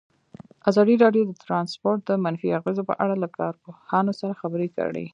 ازادي راډیو د ترانسپورټ د منفي اغېزو په اړه له کارپوهانو سره خبرې کړي.